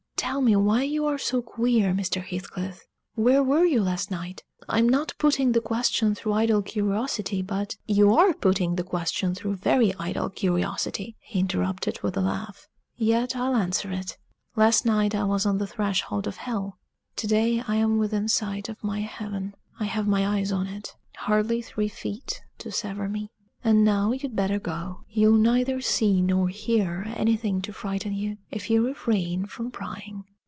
"Tell me why you are so queer, Mr. Heathcliff. Where were you last night? I'm not putting the question through idle curiosity, but " "You are putting the question through very idle curiosity," he interrupted, with a laugh. "Yet I'll answer it. Last night I was on the threshold of hell. To day I am within sight of my heaven I have my eyes on it hardly three feet to sever me. And now you'd better go. You'll neither see nor hear anything to frighten you if you refrain from prying."